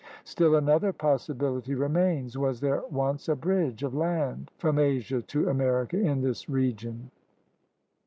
Still another possibility remains. Was there once a bridge of land from Asia to America in this region.?